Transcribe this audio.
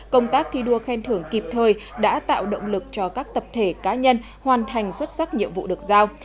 công tác thi đua khen thưởng kịp thời đã tạo động lực cho các tập thể cá nhân hoàn thành xuất sắc nhiệm vụ được giao